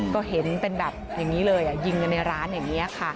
ก็เห็นเป็นแบบอย่างนี้เลยยิงกันในร้านอย่างนี้ค่ะ